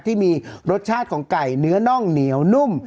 ที่มีรสชาติของไก่เนื้อน่องเหนียวนุ่ม